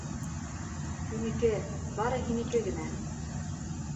Һинеке, бары һинеке генә!